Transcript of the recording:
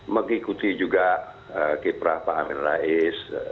mengikuti juga kiprah pak amin rais